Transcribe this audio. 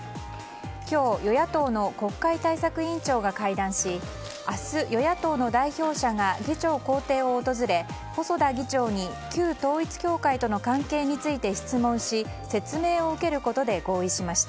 今日、与野党の国会対策委員長が会談し明日、与野党の代表者が議長公邸を訪れ細田議長に旧統一教会との関係について質問し説明を受けることで合意しました。